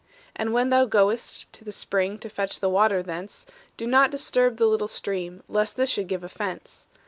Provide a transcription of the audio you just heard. "And when thou goest to the spring To fetch the water thence, Do not disturb the little stream, Lest this should give offense.